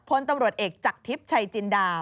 พลตำรวจเอกจากทิพย์ชัยจินดา